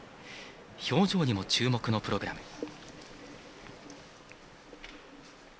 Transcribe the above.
表情にも注目のプログラム。